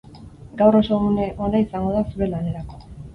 Gaur oso une ona izango da zure lanerako.